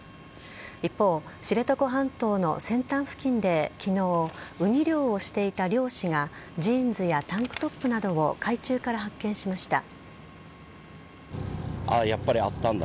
一方、知床半島の先端付近で昨日ウニ漁をしていた漁師がジーンズやタンクトップなどを海中から発見しました。